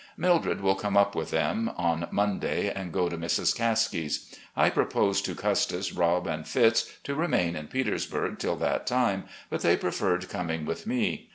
Mildred will come up with them on Monday and go to Mrs. Caskie's. I proposed to Custis, Rob, and Fitz to remain in Petersburg till that time, but they preferred coming with me.